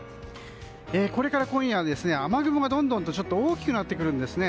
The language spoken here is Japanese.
これから今夜、雨雲がどんどんと大きくなってくるんですね。